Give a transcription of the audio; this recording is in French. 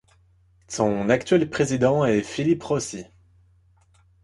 Son actuel président est Philippe Rossi.